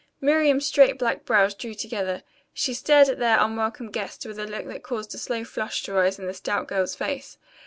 Miriam's straight black brows drew together. She stared at their unwelcome guest with a look that caused a slow flush to rise to the stout girl's face.